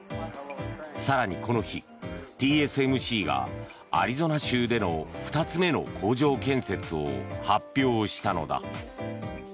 更にこの日、ＴＳＭＣがアリゾナ州での２つ目の工場建設を発表したのだ。